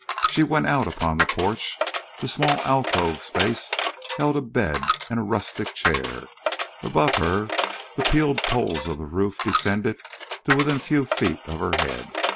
She went out upon the porch. The small alcove space held a bed and a rustic chair. Above her the peeled poles of the roof descended to within a few feet of her head.